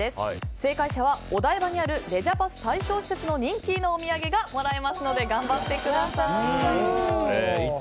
正解者はお台場にあるレジャパス対象施設の人気のお土産がもらえますので頑張ってください。